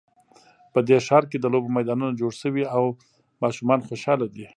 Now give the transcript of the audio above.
په دې ښار کې د لوبو میدانونه جوړ شوي او ماشومان خوشحاله دي